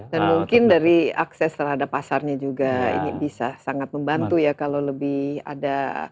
dan mungkin dari akses terhadap pasarnya juga ini bisa sangat membantu ya kalau lebih ada